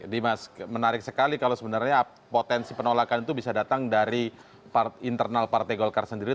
dimas menarik sekali kalau sebenarnya potensi penolakan itu bisa datang dari internal partai golkar sendiri